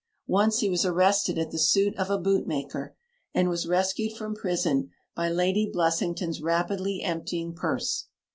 Once he was arrested at the suit of a bootmaker, and was rescued from prison by Lady Blessington's rapidly emptying purse.